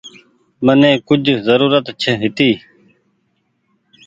مني ڪجه زرورت هيتي۔